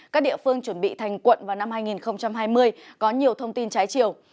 các địa phương chuẩn bị thành quận vào năm hai nghìn hai mươi có nhiều thông tin trái chiều